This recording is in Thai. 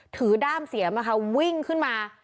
ด้ามเสียมวิ่งขึ้นมา